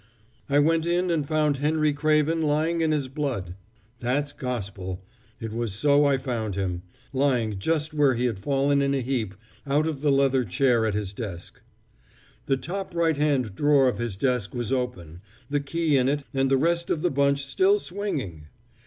"I went in and found Henry Craven lying in his blood. That's gospel it was so I found him lying just where he had fallen in a heap out of the leather chair at his desk. The top right hand drawer of his desk was open, the key in it and the rest of the bunch still swinging!